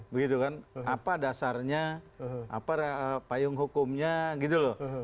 begitu kan apa dasarnya apa payung hukumnya gitu loh